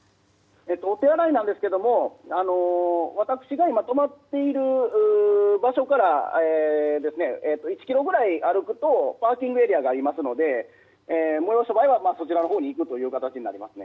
お手洗いなんですが私が今止まっている場所から１ｋｍぐらい歩くとパーキングエリアがありますのでもよおす場合はそちらのほうに行くということになりますね。